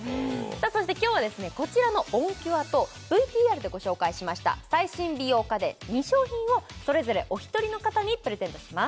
そして今日はこちらのＯＮＣＵＲＥとＶＴＲでご紹介しました最新美容家電２商品をそれぞれお一人の方にプレゼントします